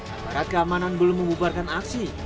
aparat keamanan belum membubarkan aksi